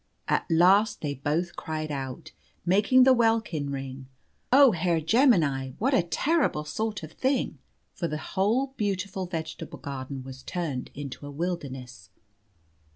At last they both cried out, making the welkin ring, "Oh, Herr Gemini! What a terrible sort of thing!" For the whole beautiful vegetable garden was turned into a wilderness.